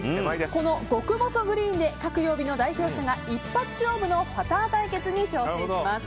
この極細グリーンで各曜日の代表者が一発勝負のパター対決に挑戦します。